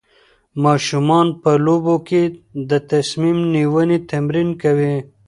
ماشومان په لوبو کې د تصمیم نیونې تمرین کوي.